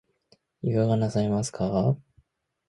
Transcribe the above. いかがなさいますか